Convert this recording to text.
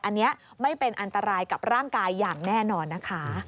อันนี้ไม่เป็นอันตรายกับร่างกายอย่างแน่นอนนะคะ